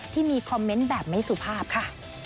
ที่มีคอมเมนต์แบบไม่สุภาพค่ะ